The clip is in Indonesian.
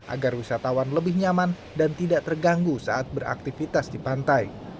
agar wisatawan lebih nyaman dan tidak terganggu saat beraktivitas di pantai